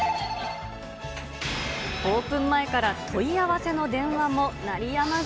オープン前から問い合わせの電話も鳴りやまず。